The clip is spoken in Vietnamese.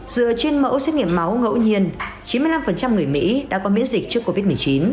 dựa trên mẫu xét nghiệm máu ngẫu nhiên chín mươi năm người mỹ đã có miễn dịch trước covid một mươi chín